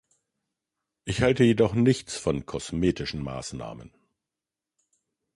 Ich halte jedoch nichts von kosmetischen Maßnahmen.